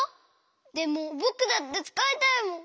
でもぼくだってつかいたいもん。